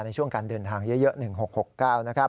ในช่วงการเดินทางเยอะ๑๖๖๙นะครับ